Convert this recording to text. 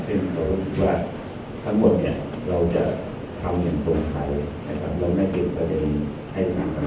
คุณท่านอยากคัดความความทรงใสคุณจะถ่ายแต่คัดความความทรงใสที่อยู่ที่สุดใช่ไหมครับ